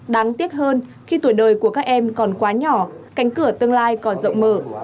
đáng tiếc hơn khi tuổi đời của các em còn quá nhỏ cánh cửa tương lai còn rộng mở